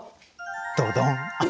ドドン。